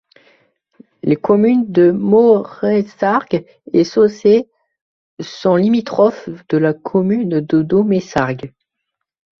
Les communes de Mauressargues et Sauzet sont limitrophes de la commune de Domessargues.